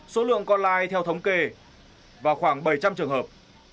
số lượng con lai theo thống kê là khoảng bảy trăm linh trường hợp